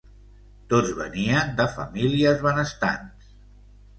Tots venien de famílies benestants.